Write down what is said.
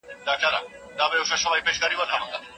شاګرد د علمي اصولو د رعایتولو پوره هڅه کوي.